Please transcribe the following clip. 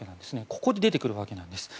ここで出てくるわけなんです。